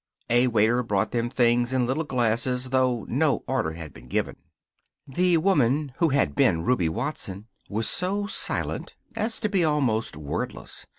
A waiter brought them things in little glasses, though no order had been given. The woman who had been Ruby Watson was so silent as to be almost wordless.